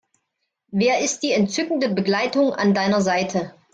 Wer ist die entzückende Begleitung an deiner Seite?